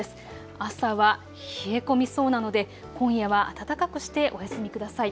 朝は冷え込みそうなので今夜は暖かくしてお休みください。